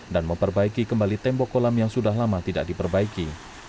dan memperbaiki kembali tembok kolam yang sudah lama tidak diperbaiki